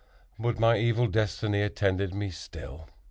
But my evil destiny attended me still.